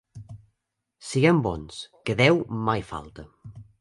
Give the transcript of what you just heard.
Siguem bons, que Déu mai falta.